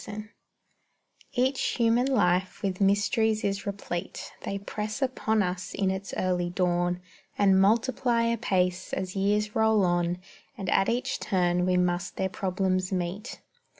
_" SONNET Each human life with mysteries is replete; They press upon us in its early dawn, And multiply apace as years roll on, And at each turn we must their problems meet.